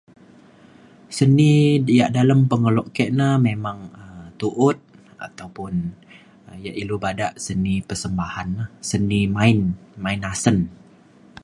seni diak dalem pengelo ke na memang um tu'ut ataupun ia' ilu bada seni persembahan lah seni main main asen